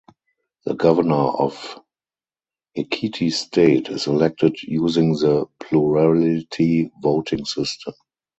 The Governor of Ekiti State is elected using the plurality voting system.